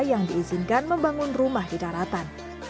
yang diizinkan membangun rumah di daratan